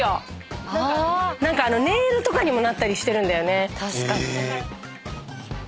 何かネイルとかにもなったりしてるんだよね。